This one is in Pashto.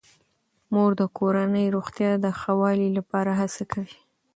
مور د کورنۍ روغتیا د ښه والي لپاره هڅه کوي.